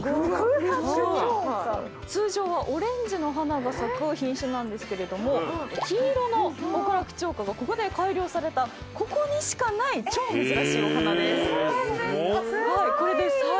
通常はオレンジの花が咲く品種なんですけれども黄色の極楽鳥花がここで改良されたここにしかない超珍しいお花です。